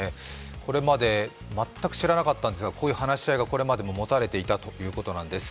これまで全く知らなかったんですが、こういう話し合いがこれまでももたれていたということなんです。